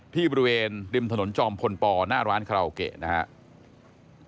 ที่บริเวณริมถนนจอมพลปหน้าร้านคาราโอเกะนะครับ